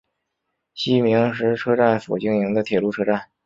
西明石车站所经营的铁路车站。